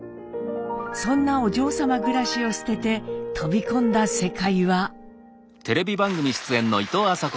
そんなお嬢様暮らしを捨てて飛び込んだ世界は。